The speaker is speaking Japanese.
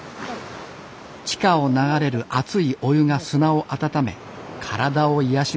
地下を流れる熱いお湯が砂を温め体を癒やします。